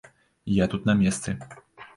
Я тут на месцы.